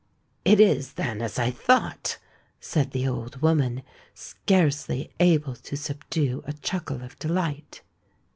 "It is, then, as I thought," said the old woman, scarcely able to subdue a chuckle of delight.